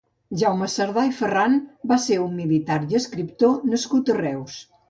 Jaume Sardà i Ferran va ser un militar i escriptor nascut a Reus.